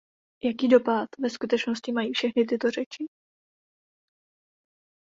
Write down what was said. Jaký dopad ve skutečnosti mají všechny tyto řeči?